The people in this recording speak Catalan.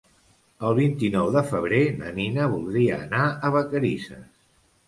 El vint-i-nou de febrer na Nina voldria anar a Vacarisses.